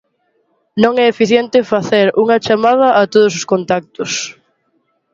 Non é eficiente facer unha chamada a todos os contactos.